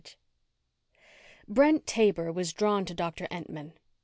6 Brent Taber was drawn to Doctor Entman.